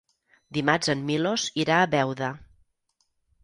Dimarts en Milos irà a Beuda.